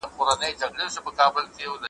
همېشه یې وې په شاتو نازولي `